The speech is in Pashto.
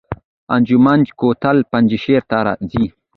انجمین کوتل پنجشیر ته ځي؟